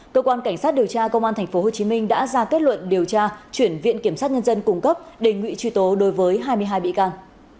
cơ quan cảnh sát điều tra công an tp hcm đã ra kết luận điều tra chuyển viện kiểm sát nhân dân cung cấp đề nghị truy tố đối với hai mươi hai bị can